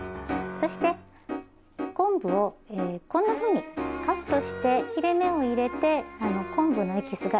そして昆布をこんなふうにカットして切れ目を入れて昆布のエキスが出やすいようにします。